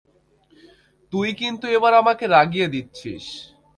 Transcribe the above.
তুই কিন্তু এবার আমাকে রাগিয়ে দিচ্ছিস!